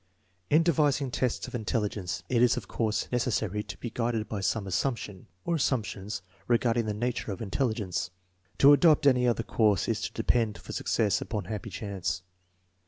In devising tests of intelligence it is, of course, necessary to be guided by some assumption, or assumptions, regarding the nature of intelligence. To adopt any other course is to depend for success upon happy chance.